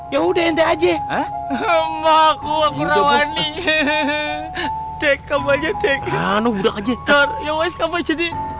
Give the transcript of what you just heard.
ya udah aja